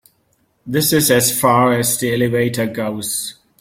This is as far as the elevator goes.